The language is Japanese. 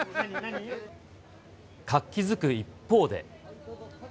活気づく一方で。